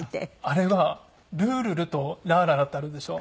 あれは「ルールル」と「ラーララ」ってあるでしょ？